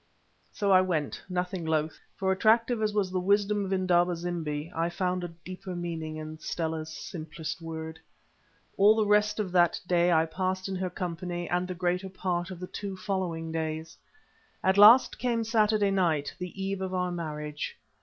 So I went, nothing loth, for attractive as was the wisdom of Indaba zimbi, I found a deeper meaning in Stella's simplest word. All the rest of that day I passed in her company, and the greater part of the two following days. At last came Saturday night, the eve of our marriage.